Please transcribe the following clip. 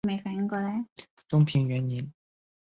中平元年。